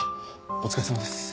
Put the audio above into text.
お疲れさまです。